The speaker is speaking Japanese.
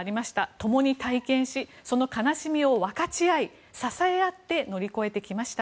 共に体験しその悲しみを分かち合い支え合って乗り越えてきました。